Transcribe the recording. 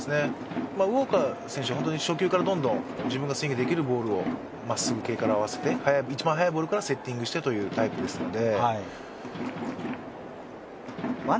ウォーカー選手は初球からどんどん自分がスイングできるボールをまっすぐ系から合わせて一番速いボールからセッティングしてというタイプですので。